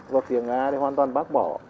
và tiền nga thì hoàn toàn bác bỏ